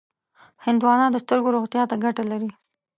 هندوانه د سترګو روغتیا ته ګټه لري.